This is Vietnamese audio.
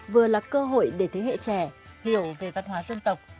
vừa là cơ hội để thế hệ trẻ hiểu về văn hóa dân tộc